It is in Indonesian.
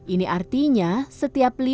ini artinya setiap lima